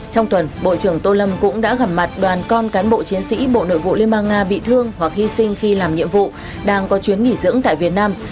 trong tuần bộ trưởng tô lâm cũng đã gặp mặt đoàn con cán bộ chiến sĩ bộ nội vụ liên bang nga bị thương hoặc hy sinh khi làm nhiệm vụ đang có chuyến nghỉ dưỡng tại việt nam